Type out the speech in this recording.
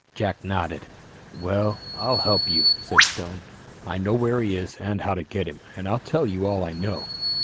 Jack nodded. "Well, I'll help you," said Stone. "I know where he is and how to get him, an' I'll tell you all I know."